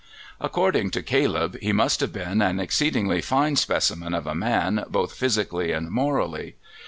According to Caleb, he must have been an exceedingly fine specimen of a man, both physically and morally.